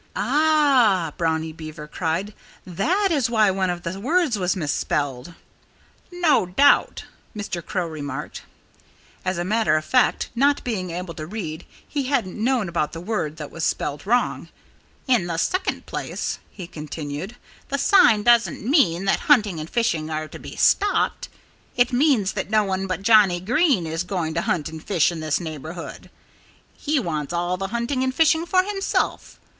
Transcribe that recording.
"Ah!" Brownie Beaver cried. "That is why one of the words was misspelled!" "No doubt!" Mr. Crow remarked. As a matter of fact, not being able to read he hadn't known about the word that was spelled wrong. "In the second place," he continued, "the sign doesn't mean that hunting and fishing are to be stopped. It means that no one but Johnnie Green is going to hunt and fish in this neighborhood. He wants all the hunting and fishing for himself.